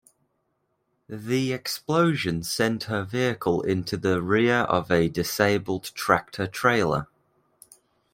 The explosion sent her vehicle into the rear of a disabled tractor-trailer.